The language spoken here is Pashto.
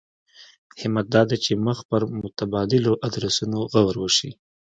همت دا دی چې مخ پر متبادلو ادرسونو غور وشي.